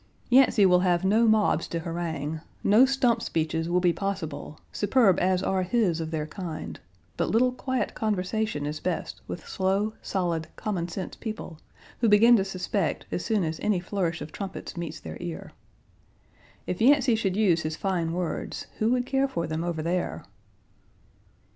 Yancey will have no mobs to harangue. No stump speeches will be possible, superb as are his of their kind, but little quiet conversation is best with slow, solid, common sense people, who begin to suspect as soon as any flourish of trumpets meets their ear. If Yancey should use his fine words, who would care for them over there?